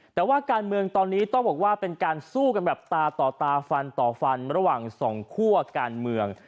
แต่ว่าการเมืองตอนนี้ต้องบอกว่าเป็นการสู้กันแบบตาต่อตาฟันต่อฟันระหว่างสองคั่วการเมือง